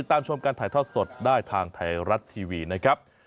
ติดตามชมการถ่ายทอดสดได้ทางไทยรัฐทีวี